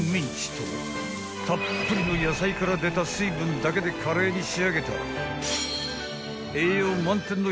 ［たっぷりの野菜から出た水分だけでカレーに仕上げた］